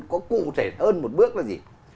có cụ thể hơn một bước là gì